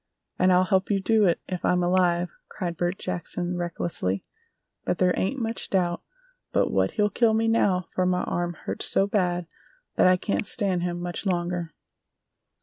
"And I'll help you do it, if I'm alive!" cried Bert Jackson, recklessly; "but there ain't much doubt but what he'll kill me now for my arm hurts so bad that I can't stand him much longer!"